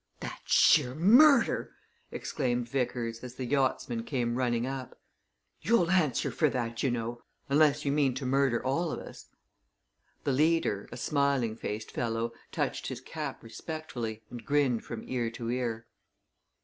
"That's sheer murder!" exclaimed Vickers, as the yachtsmen came running up. "You'll answer for that, you know. Unless you mean to murder all of us." The leader, a smiling faced fellow, touched his cap respectfully, and grinned from ear to ear.